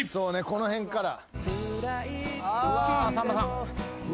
この辺から。